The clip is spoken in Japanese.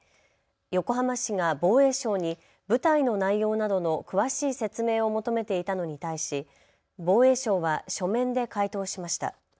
横浜市が防衛省に部隊の内容などの詳しい説明を求めていたのに対し防衛省は書面で回答しました。